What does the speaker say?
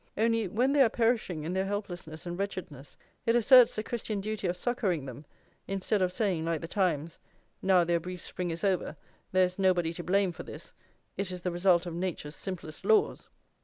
Only, when they are perishing in their helplessness and wretchedness, it asserts the Christian duty of succouring them, instead of saying, like The Times: "Now their brief spring is over; there is nobody to blame for this; it is the result of Nature's simplest laws!"